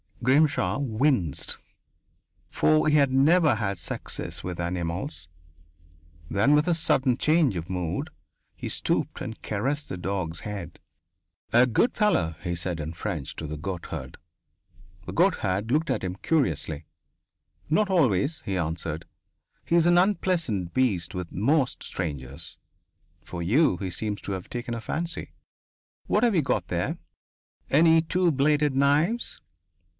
Grimshaw winced, for he had never had success with animals. Then, with a sudden change of mood, he stooped and caressed the dog's head. "A good fellow," he said in French to the goatherd. The goatherd looked at him curiously. "Not always," he answered. "He is an unpleasant beast with most strangers. For you, he seems to have taken a fancy.... What have you got there any two bladed knives?"